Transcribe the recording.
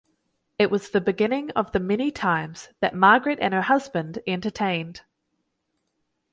It was the beginning of the many times that Margaret and her husband entertained.